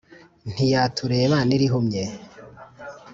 ntiyatureba n’irihumye